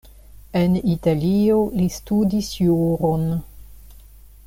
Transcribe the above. En Italio li studis juron.